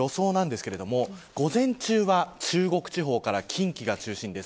今後の予想ですが午前中は中国地方から近畿が中心です。